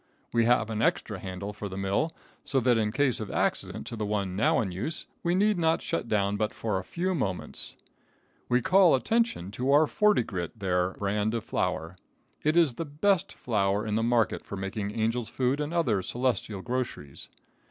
We have an extra handle for the mill, so that in case of accident to the one now in use, we need not shut down but a few moments. We call attention to our XXXX Git there brand of flour. It is the best flour in the market for making angels' food and other celestial groceries.